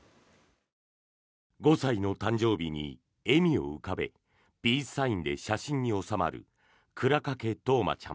５歳の誕生日に笑みを浮かべピースサインで写真に収まる倉掛冬生ちゃん。